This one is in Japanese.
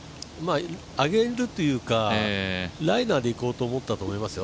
上げるというかライナーでいこうと思ったと思いますよ。